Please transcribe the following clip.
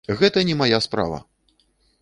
Гэта не мая справа!